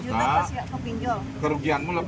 total kerugian saya ada delapan puluh juta